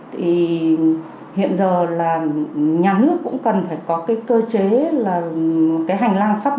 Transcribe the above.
thì hiện giờ là nhà nước cũng cần phải có cái cơ chế là cái hành lang pháp